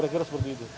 kira kira seperti itu